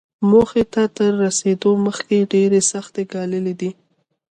موخې ته تر رسېدو مخکې يې ډېرې سختۍ ګاللې دي.